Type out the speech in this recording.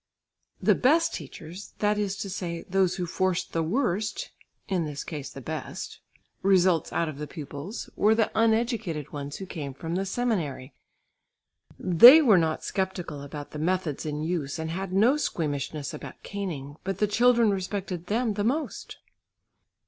The best teachers, that is to say, those who forced the worst (in this case the best) results out of the pupils were the uneducated ones who came from the Seminary. They were not sceptical about the methods in use and had no squeamishness about caning, but the children respected them the most.